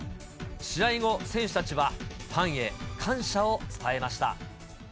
試合後、選手たちはファンへ感謝を伝えました。